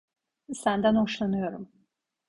Senden hoşlanıyorum.